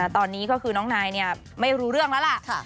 ตอนนี้ก็คือน้องนายไม่รู้เรื่องแล้วล่ะ